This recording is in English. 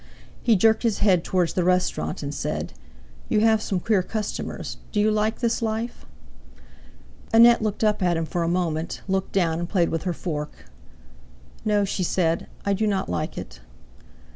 He jerked his head towards the restaurant and said: "You have some queer customers. Do you like this life?" Annette looked up at him for a moment, looked down, and played with her fork. "No," she said, "I do not like it."